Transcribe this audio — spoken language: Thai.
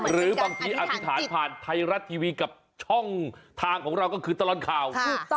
หรือบางทีอธิษฐานผ่านไทยรัฐทีวีกับช่องทางของเราก็คือตลอดข่าว